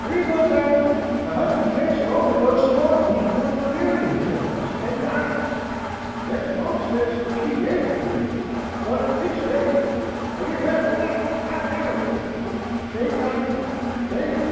Three months afterward, her husband takes an overdose of morphine for delirium tremems, and dies. There's folks ez sez she gave it to him, but it's Fate. A year after that I married her, Fate, Tommy, Fate!